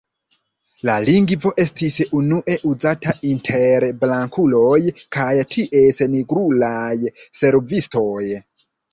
La lingvo estis unue uzata inter blankuloj kaj ties nigrulaj servistoj.